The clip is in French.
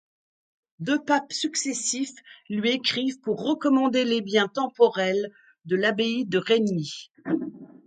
Deux papes successifs lui écrivent pour recommander les biens temporels de l'abbaye de Reigny.